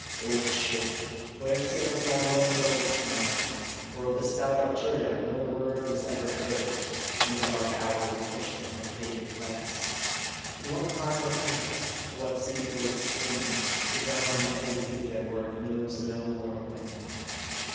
Old ship ! where sails thy lone ghost now ? For of the stout Arcturion no word was ever heard, from the dark hour we pushed from her fated planks. In what time of tempest, to what seagull's scream, the drowning eddies did their work, knows no mortal man.